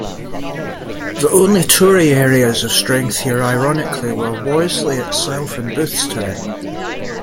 The only Tory areas of strength here ironically were Worsley itself and Boothstown.